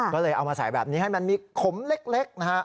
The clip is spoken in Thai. ก็เลยเอามาใส่แบบนี้ให้มันมีขมเล็กนะฮะ